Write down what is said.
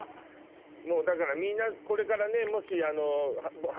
もうだからみんなこれからねもし。とか見て。